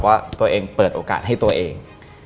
ว่าตัวเองเปิดโอกาสให้ตัวเอง